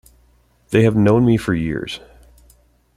They have known me for years.